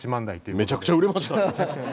めちゃくちゃ売れましたね。